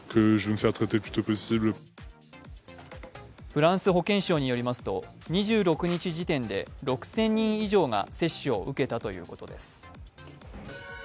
フランス保健省によりますと２６時点で６０００人以上が接種を受けたということです。